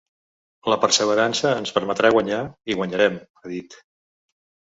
La perseverança ens permetrà guanyar i guanyarem, ha dit.